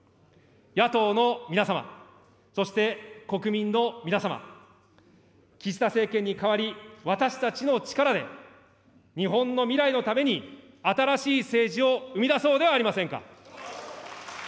野党の皆様、そして国民の皆様、岸田政権に替わり、私たちの力で日本の未来のために、新しい政治を生み出そうではありませんか。